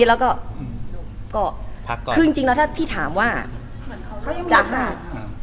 เหมือนเขายังมีโอกาส